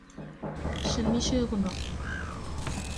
ฉันไม่เชื่อคุณหรอก